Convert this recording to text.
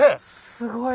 すごい。